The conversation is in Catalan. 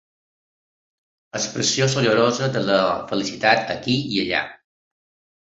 Expressió sorollosa de la felicitat, aquí i allà.